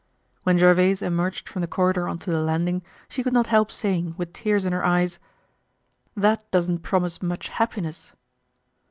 When Gervaise emerged from the corridor on to the landing, she could not help saying, with tears in her eyes: "That doesn't promise much happiness."